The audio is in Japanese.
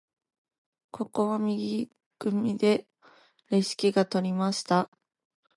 ここは右組でレシキが取りました。